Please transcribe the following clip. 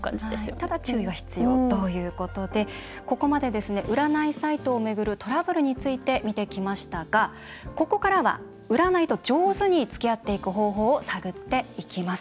ただ注意は必要ということでここまで占いサイトを巡るトラブルについて見てきましたがここからは、占いと上手につきあっていく方法を探っていきます。